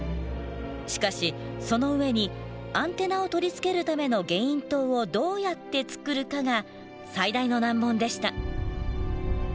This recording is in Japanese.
しかしその上にアンテナを取り付けるためのゲイン塔をどうやって造るかが最大の難問でした。